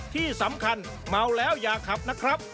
ที่สำคัญเมาแล้วอย่าขับนะครับ